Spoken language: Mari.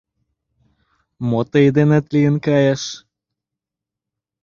Мо тый денет лийын кайыш?